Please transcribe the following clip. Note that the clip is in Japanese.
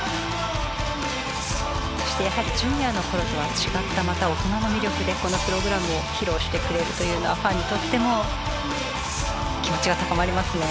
そしてやはりジュニアの頃とは違ったまた大人の魅力でこのプログラムを披露してくれるというのはファンにとっても気持ちが高まりますね。